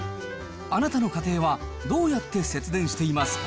あなたの家庭はどうやって節電していますか？